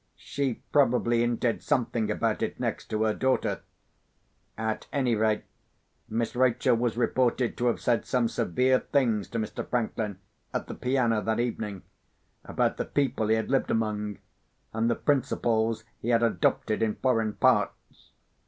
She probably hinted something about it next to her daughter. At any rate, Miss Rachel was reported to have said some severe things to Mr. Franklin, at the piano that evening, about the people he had lived among, and the principles he had adopted in foreign parts.